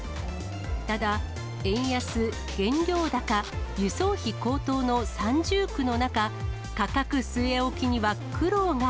ただ、円安、原料高、輸送費高騰の三重苦の中、価格据え置きには苦労が。